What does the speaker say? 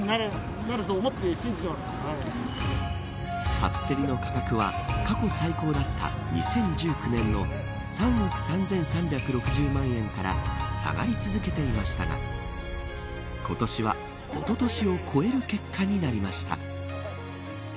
初競りの価格は過去最高だった２０１９年の３億３３６０万円から下がり続けていましたが今年はおととしを超える結果になりました。